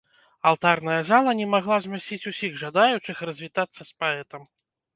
Алтарная зала на магла змясціць усіх жадаючых развітацца з паэтам.